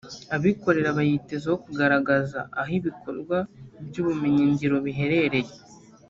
Abikorera bayitezeho kugaragaza aho ibikorwa by’ubumenyingiro biherereye